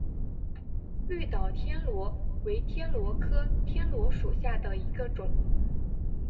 绿岛天螺为天螺科天螺属下的一个种。